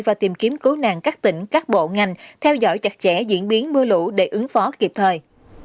và tìm kiếm cứu nạn các tỉnh các bộ ngành theo dõi chặt chẽ diễn biến mưa lũ để ứng phó kịp thời